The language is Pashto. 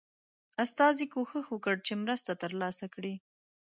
استازي کوښښ وکړ چې مرسته ترلاسه کړي.